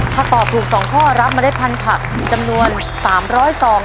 ถ้าตอบถูก๒ข้อรับเล็ดพันธุ์จำนวน๓๐๐ซอง